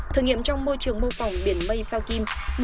thử nghiệm trong môi trường mô phỏng biển mây sao kim